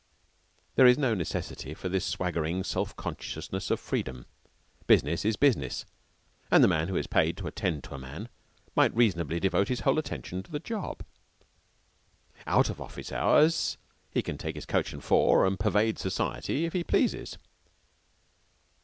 There is no necessity for this swaggering self consciousness of freedom. Business is business, and the man who is paid to attend to a man might reasonably devote his whole attention to the job. Out of office hours he can take his coach and four and pervade society if he pleases.